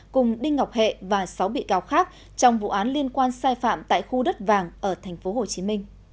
cùng đinh ngọc hệ và sáu bị cáo khác trong vụ án liên quan sai phạm tại khu đất vàng ở tp hcm